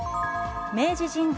明治神宮